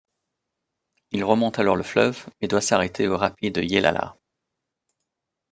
Il remonte alors le fleuve mais doit s'arrêter aux rapides de Yellala.